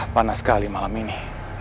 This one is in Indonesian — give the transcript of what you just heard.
panas sekali malam ini